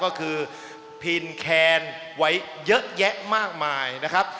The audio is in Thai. ก็คือพินแคนไว้เยอะแยะมากมายนะครับ